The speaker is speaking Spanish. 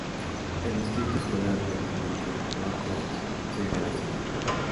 El Distrito Escolar Independiente North East sirve a la ciudad.